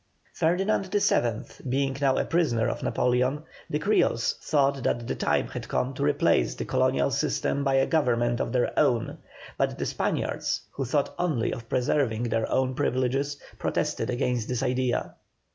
Ferdinand VII. being now a prisoner of Napoleon, the Creoles thought that the time had come to replace the colonial system by a government of their own, but the Spaniards, who thought only of preserving their own privileges, protested against the idea.